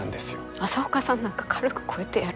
朝岡さんなんか軽く超えてやる。